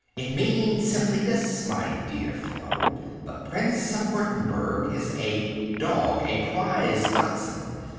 "It means simply this, my dear fellow. The Prince of Wurttemberg is a dog, a prize Dachshund.